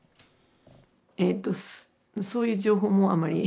えとそういう情報もあまり。